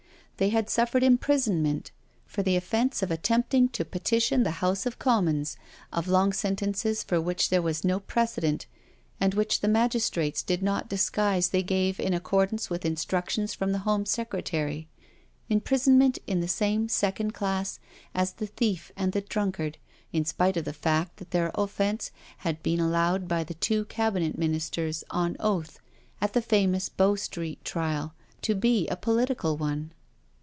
They had suffered imprisonment for the offence of attempt »47 148 NO SURRENDER ing to petition the House of Commons, of long sen tences for which there was no precedent, and which the magistrates did not disguise they gave in accordance with instructions from the Home Secretary; imprison ment in the same second class as the thief and the drunkard, in spite of the fact that their offence had been allowed by the two Cabinet Ministers on oath at the famous Bow Street trial, to be a political one.